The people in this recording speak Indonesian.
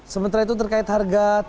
sementara itu terkait harga